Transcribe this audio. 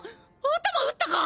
頭打ったか？